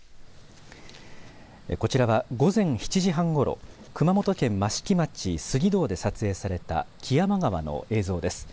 こちらは午前７時半ごろ熊本県益城町杉堂で撮影された木山川の映像です。